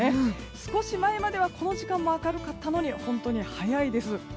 少し前まではこの時間も明るかったのに早いです。